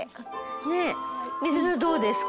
ねえ水菜どうですか？